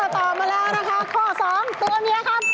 ตอบมาแล้วนะคะข้อ๒ตัวเมียครับ